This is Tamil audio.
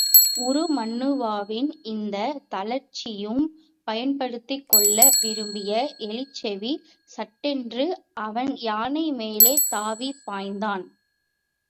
உருமண்ணுவாவின் இந்தத் தளர்ச்சியையும் பயன்படுத்திக் கொள்ள விரும்பிய எலிச்செவி, சட்டென்று அவன் யானை மேலே தாவிப் பாய்ந்தான்.